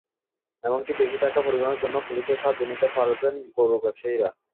এমনকি বেশি টাকা পরিবহনের জন্যও পুলিশের সাহায্য নিতে পারবেন গরু ব্যবসায়ীরা।